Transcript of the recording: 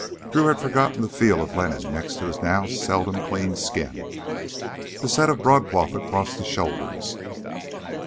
Drew had forgotten the feel of linen next to his now seldom clean skin, the set of broadcloth across the shoulders.